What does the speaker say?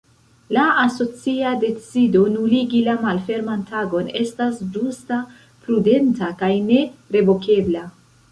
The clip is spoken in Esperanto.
La asocia decido nuligi la Malferman Tagon estas ĝusta, prudenta kaj ne-revokebla.